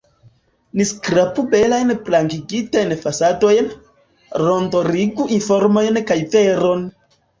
Ni skrapu belajn blankigitajn fasadojn, rondirigu informojn kaj veron!